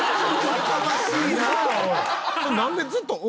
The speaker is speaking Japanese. やかましいな！